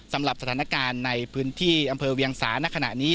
สำหรับสถานการณ์ในพื้นที่อำเภอเวียงสาณขณะนี้